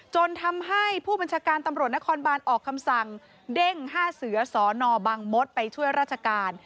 จนทำให้ผู้บัญชาการตำรวจนครบานออกคำสั่งเด้ง๕เสือสนบังมดไปช่วยราชการ